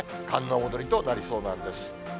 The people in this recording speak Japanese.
寒の戻りとなりそうなんです。